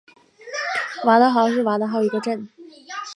瓦尔德豪森是奥地利下奥地利州茨韦特尔县的一个市镇。